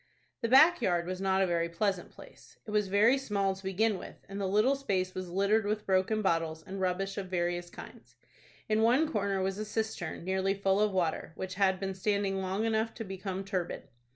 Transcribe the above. The back yard was not a very pleasant place. It was very small to begin with, and the little space was littered with broken bottles and rubbish of various kinds. In one corner was a cistern nearly full of water, which had been standing long enough to become turbid.